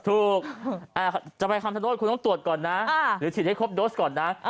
ถูกจะไปคำชโนธคุณต้องตรวจก่อนนะหรือฉีดให้ครบโดสก่อนนะ